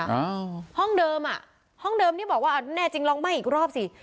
อ้าวห้องเดิมอ่ะห้องเดิมที่บอกว่าอ่ะแน่จริงลองไหม้อีกรอบสิ